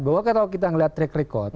bahwa kalau kita melihat track record